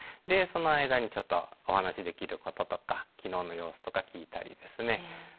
でその間にちょっとお話しできることとか昨日の様子とか聞いたりですね。